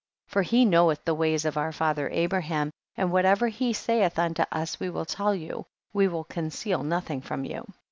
31. For he knoweth the ways of our father Abraham, and whatever he sayeth unto us we will tell you, we will conceal nothing from you.